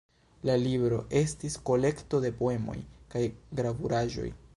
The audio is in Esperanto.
La libro estis kolekto de poemoj kaj gravuraĵoj.